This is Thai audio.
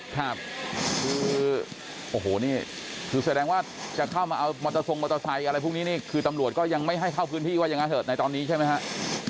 ครับคือโอ้โหนี่คือแสดงว่าจะเข้ามาเอามอเตอร์ทรงมอเตอร์ไซค์อะไรพวกนี้นี่คือตำรวจก็ยังไม่ให้เข้าพื้นที่ว่าอย่างนั้นเถอะในตอนนี้ใช่ไหมครับ